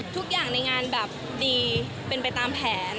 ทุกอย่างในงานแบบดีเป็นไปตามแผน